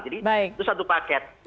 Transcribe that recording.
jadi itu satu paket